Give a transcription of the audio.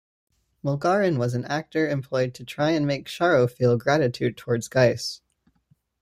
Molgarin was an actor employed to try and make Sharrow feel gratitude towards Geis.